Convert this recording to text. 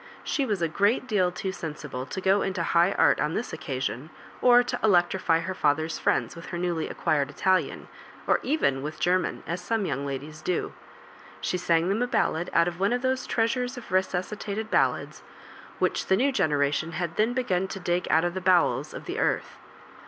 She was a great deal too sensible to go into high art on this occasion, or to electrify her father's friends with her newly acquired Italian, or even with* Get man, as some young ladies do. She sang them a ballad out of one of those treasures of resusci tated ballads which the new generation had then begun to dig out of the bowels of the earth.